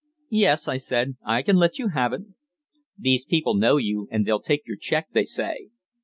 "Yes," I said, "I can let you have it." "These people know you, and they'll take your cheque, they say."